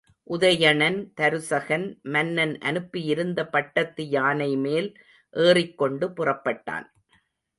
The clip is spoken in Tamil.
உதயணன், தருசகன் மன்னன் அனுப்பியிருந்த பட்டத்து யானைமேல் ஏறிக்கொண்டு புறப்பட்டான்.